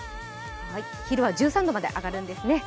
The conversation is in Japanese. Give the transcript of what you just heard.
昼は１３度まで上がるんですね。